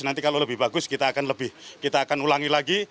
nanti kalau lebih bagus kita akan ulangi lagi